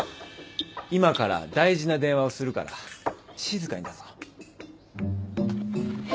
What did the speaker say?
今から大事な電話をするから静かにだぞ。